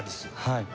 はい。